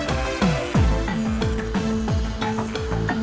awalnyabank tuh books vienen dari lawan asyik world war jalan